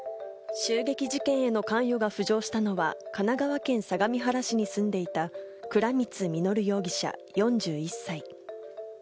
襲撃事件への関与が浮上したのは、神奈川県相模原市に住んでいた倉光実容疑者、４１歳。